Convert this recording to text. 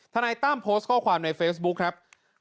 นายตั้มโพสต์ข้อความในเฟซบุ๊คครับ